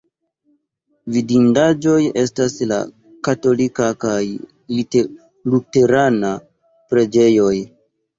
Vidindaĵoj estas la katolika kaj luterana preĝejoj.